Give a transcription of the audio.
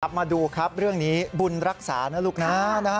กลับมาดูเรื่องนี้บุญรักษานะลูกน้า